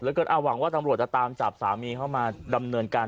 แล้วก็หวังว่าตำรวจจะตามจับสามีเข้ามาดำเนินการ